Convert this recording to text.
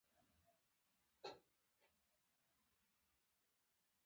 آیا دوی ویډیو ګیمونه نه جوړوي؟